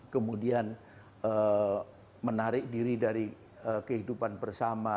kemudian menarik diri dari kehidupan bersama